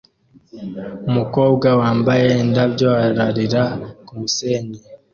Umukobwa wambaye indabyo ararira kumusenyi